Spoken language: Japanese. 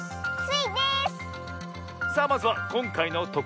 さあまずはこんかいのと